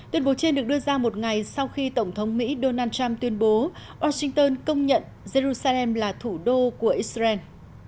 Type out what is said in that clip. tuyên bố trên được đưa ra một ngày sau khi tổng thống mỹ donald trump tuyên bố washington công nhận jerusalem là thủ đô của israel